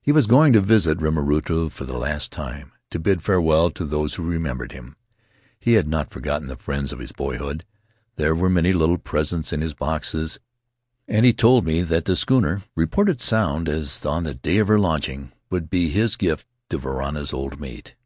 He was going to visit Rimarutu for the last time — to bid farewell to those who remembered him. He had not forgotten the friends of his boyhood; there were many little presents in his boxes, and he told me that the schooner — reported sound as on the day of her launch Faery Lands of the South Seas ing — would be his gift to Varana's old mate.